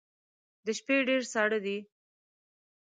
د شپې ډیر ساړه دی